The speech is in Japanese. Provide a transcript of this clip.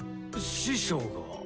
師匠が？